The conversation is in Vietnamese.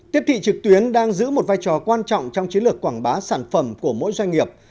tiếp thị trực tuyến đang giữ một vai trò quan trọng trong chiến lược quảng bá sản phẩm của mỗi doanh nghiệp